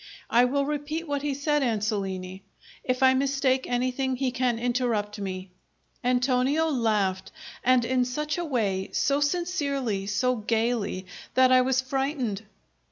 I will repeat what he said, Ansolini. If I mistake anything, he can interrupt me." Antonio laughed, and in such a way, so sincerely, so gaily, that I was frightened.